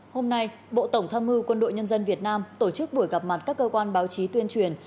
hôm nay bộ tổng tham mưu quân đội nhân dân việt nam tổ chức buổi gặp mặt các cơ quan báo chí tuyên truyền